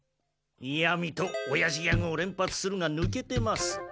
「いやみとオヤジギャグをれん発する」がぬけてます。